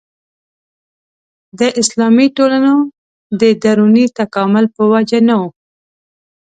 د اسلامي ټولنو د دروني تکامل په وجه نه وه.